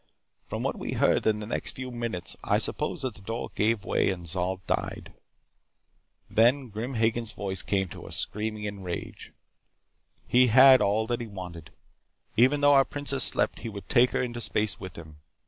From what we heard in the next few minutes, I suppose that the door gave way and Zol died. Then Grim Hagen's voice came to us, screaming in rage. He had all that he wanted. Even though our princess slept, he would take her into space with him.